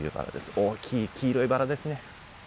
大きい黄色いバラですね。